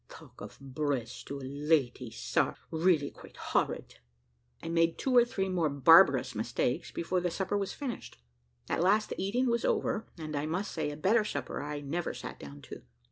Talk of breast to a lady, sar! really quite horrid." I made two or three more barbarous mistakes before the supper was finished. At last the eating was over, and I must say a better supper I never sat down to.